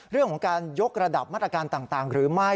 เรื่องของการยกระดับมาตรการต่างหรือไม่